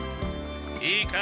いいか！